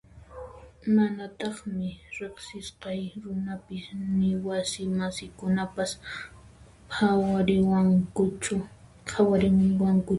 Manataqmi riqsisqay runapis ni wasi masiykunapas qhawariwankuchu.